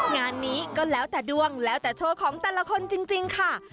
งานนี้ก็แล้วแต่ดวงแล้วแต่โชว์ของแต่ละคนจริงค่ะ